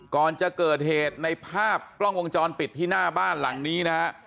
ก่อนจะเกิดเหตุในภาพกล้องวงจรปิดที่หน้าบ้านหลังนี้นะฮะ